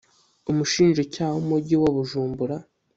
umushinjacyaha w’umujyi wa Bujumbura